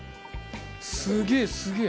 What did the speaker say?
すげえすげえ！